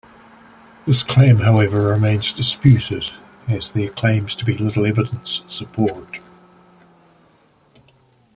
This claim, however, remains disputed, as there claims to be little evidence in support.